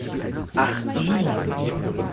Ach die!